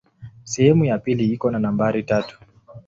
Sehemu ya pili iko na nambari tatu.